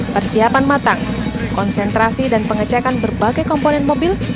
persiapan matang konsentrasi dan pengecekan berbagai komponen mobil